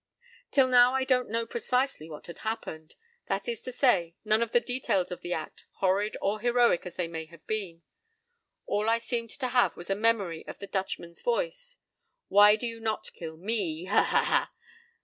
p> Till now I don't know precisely what had happened; that is to say, none of the details of the act, horrid or heroic as they may have been. All I seemed to have was a memory of the Dutchman's voice: "Why do you not kill me? Ha ha ha!